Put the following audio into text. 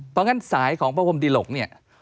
เพราะงั้นสายของพระพรมดิหลกเนี่ย